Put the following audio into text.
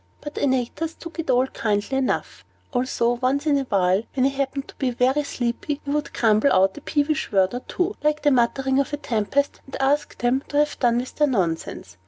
But Antaeus took it all kindly enough; although, once in a while, when he happened to be sleepy, he would grumble out a peevish word or two, like the muttering of a tempest, and ask them to have done with their nonsense.